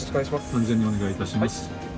安全にお願いいたします。